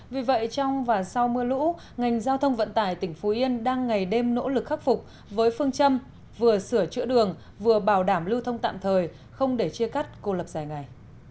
vì vậy trong và sau mưa lũ ngành giao thông vận tải tỉnh phú yên đang ngày đêm nỗ lực khắc phục với phương châm vừa sửa chữa đường vừa bảo đảm lưu thông tạm thời không để chia cắt cô lập dài ngày